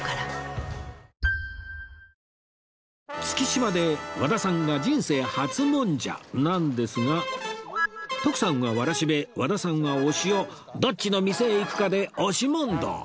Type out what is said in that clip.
月島で和田さんが人生初もんじゃなんですが徳さんはわらしべ和田さんはおしおどっちの店へ行くかで押し問答